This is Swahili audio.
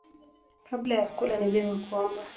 Kabla ya kula ni vyema kuomba.